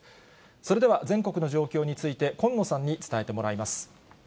それでは、全国の状況について、近野さんに伝えてもらいます。